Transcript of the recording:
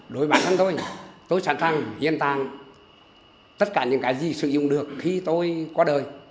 đối với bản thân tôi tôi sẵn sàng hiến tạng tất cả những cái gì sử dụng được khi tôi qua đời